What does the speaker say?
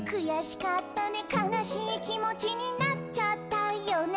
「かなしいきもちになっちゃったよね」